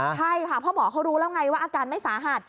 ใช่ค่ะเพราะหมอเขารู้แล้วไงว่าอาการไม่สาหัส